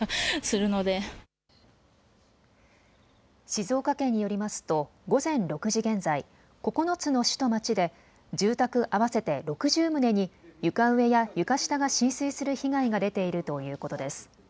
静岡県によりますと午前６時現在、９つの市と町で住宅合わせて６０棟に床上や床下が浸水する被害が出ているということです。